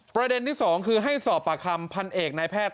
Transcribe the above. ประเด็นที่๒คือให้สอบปากคำพันเอกนายแพทย์